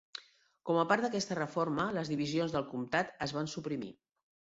Com a part d'aquesta reforma, les divisions del comtat es van suprimir.